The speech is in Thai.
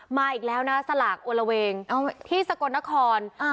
มาอีกแล้วนะสลากโอละเวงที่สกลนคร